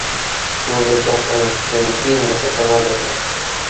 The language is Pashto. موږ د جان ایف کینیډي مجسمه لرو